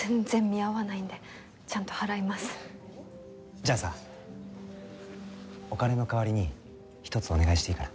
じゃあさお金の代わりに一つお願いしていいかな？